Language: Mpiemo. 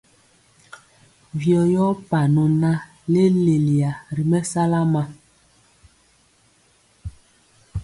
Vyɔ yɔɔ panɔ na leleyiya ri mɛsala ma.